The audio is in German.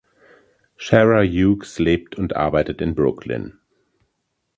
Shara Hughes lebt und arbeitet in Brooklyn.